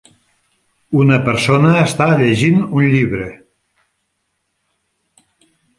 La persona està llegint un llibre.